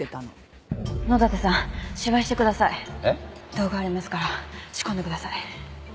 道具ありますから仕込んでください